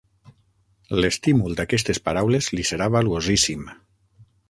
L'estímul d'aquestes paraules li serà valuosíssim.